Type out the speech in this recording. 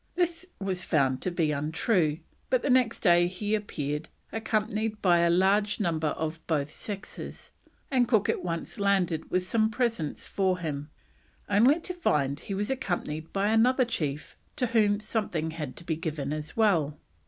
This was found to be untrue, but the next day he appeared, accompanied by a large number of both sexes, and Cook at once landed with some presents for him, only to find he was accompanied by another chief, to whom something had to be given as well.